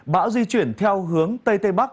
bão di chuyển theo hướng tây tây bắc